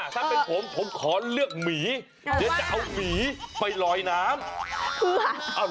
ถ้าเป็นผมผมขอเลือกหมีเดี๋ยวจะเอาหมีไปลอยน้ำ